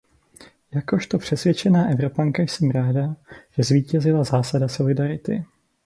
Jakožto přesvědčená Evropanka jsem ráda, že zvítězila zásada solidarity.